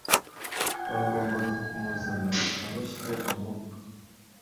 Bagombaga kumuzana aboshywe amaboko yombi